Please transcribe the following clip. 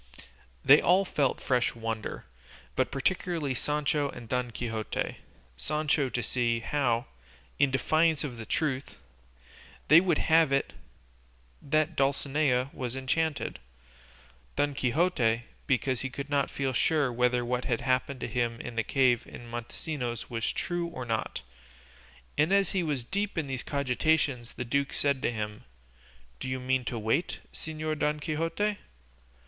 They all felt fresh wonder, but particularly Sancho and Don Quixote; Sancho to see how, in defiance of the truth, they would have it that Dulcinea was enchanted; Don Quixote because he could not feel sure whether what had happened to him in the cave of Montesinos was true or not; and as he was deep in these cogitations the duke said to him, "Do you mean to wait, Señor Don Quixote?"